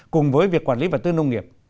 cùng với việc quản lý và tư nông nghiệp